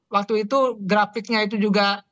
waktu itu grafiknya itu juga